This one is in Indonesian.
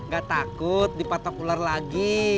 gak takut dipatok ular lagi